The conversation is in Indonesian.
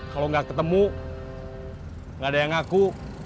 kalau gak ketemu gak ada yang ngaku